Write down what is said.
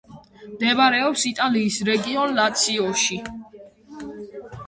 მდებარეობს იტალიის რეგიონ ლაციოში.